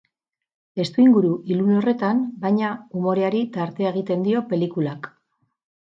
Testuinguru ilun horretan, baina, umoreari tartea egiten dio pelikulak.